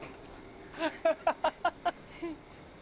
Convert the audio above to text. ハハハ！